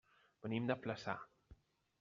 Venim de Flaçà.